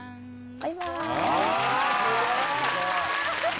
バイバイ！